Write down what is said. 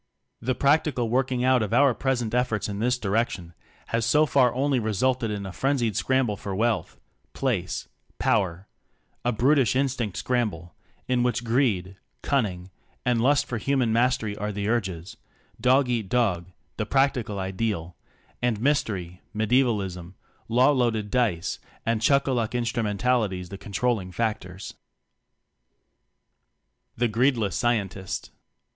The practical working out of our present efforts in this direction, has so 14 TECHNOCRACY far only resulted in a frenzied scram ble for wealth, place, power a brut ish instinct scramble, in which greed, cunning, and lust for human mastery are the urges; "dog eat dog" the "practical" ideal; and mystery, medievalism, law loaded dice and chuck a luck instrumentalities the con trolling factors. The Greedless Scientist.